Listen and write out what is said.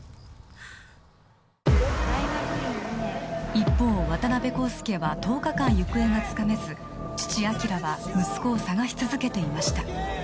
一方渡辺康介は十日間行方がつかめず父昭は息子を捜し続けていました